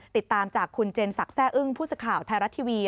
ติดตามจากคุณเจนศักดิ์แซ่อึ้งผู้สื่อข่าวไทยรัฐทีวี